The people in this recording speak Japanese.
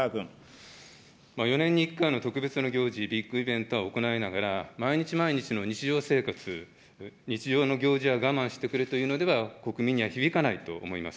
４年に１回の特別な行事、ビッグイベントは行われながら、毎日毎日の日常生活、日常の行事は我慢してくれというのでは、国民には響かないと思います。